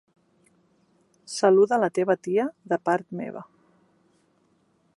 Saluda la teva tia de part meva.